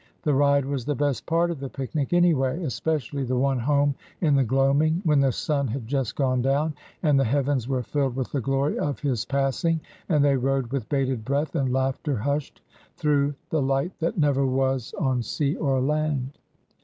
The ride was the best part of the picnic, anyway, es pecially the one home in the gloaming, when the sun had just gone down and the heavens were filled with the glory of his passing, and they rode, with bated breath and laughter hushed, through The light that never was, on sea or land."